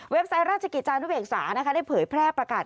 เว็บไซต์ราชกิจานุเบกษาได้เผยแพร่ประกาศ